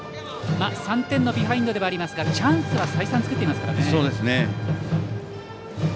３点のビハインドではありますがチャンスは再三、作っています。